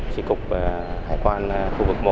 chỉ cục hải quan khu vực một